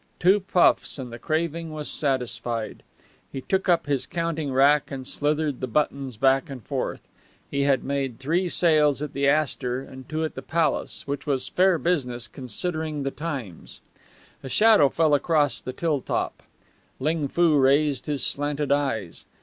Two puffs, and the craving was satisfied. He took up his counting rack and slithered the buttons back and forth. He had made three sales at the Astor and two at the Palace, which was fair business, considering the times. A shadow fell across the till top. Ling Foo raised his slanted eyes.